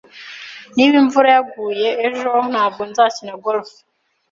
Niba imvura yaguye ejo, ntabwo nzakina golf